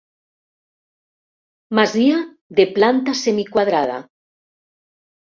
Masia de planta semi quadrada.